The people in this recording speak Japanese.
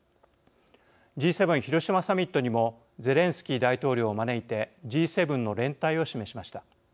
Ｇ７広島サミットにもゼレンスキー大統領を招いてＧ７の連帯を示しました。